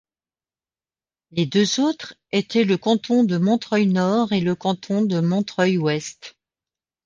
Les deux autres étaient le canton de Montreuil-Nord et le canton de Montreuil-Ouest.